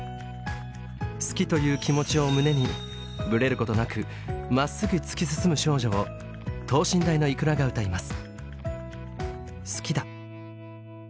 「好き」という気持ちを胸にブレることなくまっすぐ突き進む少女を等身大のｉｋｕｒａが歌います。